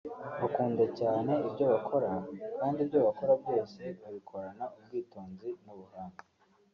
bakunda cyane ibyo bakora kandi ibyo bakora byose babikorana ubwitonzi n’ubuhanga